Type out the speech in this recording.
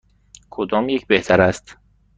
کدام یک بهتر است؟